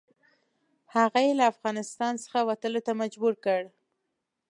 هغه یې له افغانستان څخه وتلو ته مجبور کړ.